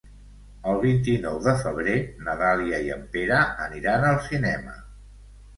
El vint-i-nou de febrer na Dàlia i en Pere aniran al cinema.